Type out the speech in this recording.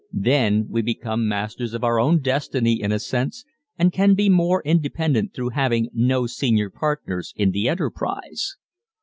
Then we become masters of our own destiny in a sense and can be more independent through having no senior partners in the enterprise.